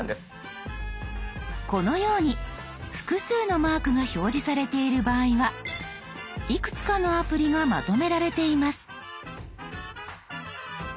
このように複数のマークが表示されている場合はいくつかのアプリがまとめられています。